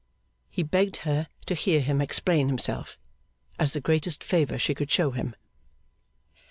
He begged her to hear him explain himself, as the greatest favour she could show him.